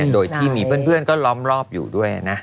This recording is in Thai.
โดยที่มีเพื่อนก็ล้อมรอบอยู่ด้วยนะ